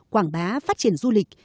quảng bá phát triển du lịch